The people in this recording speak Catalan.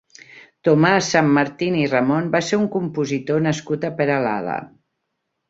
Tomàs Sanmartín i Ramon va ser un compositor nascut a Peralada.